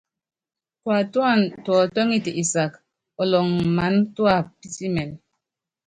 Tuátúan tútɔ́ŋɛt isak ɔlɔŋ maná tuá pitimɛn.